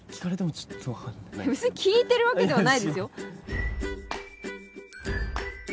べつに聞いてるわけではないですよ。